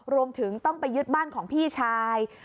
รวมถึงต้องไปยึดบ้านของพี่ชาย